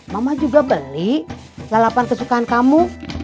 mama juga beli lalapan kesukaan kamu